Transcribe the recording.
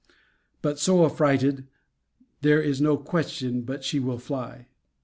But, so affrighted, these is no question but she will fly.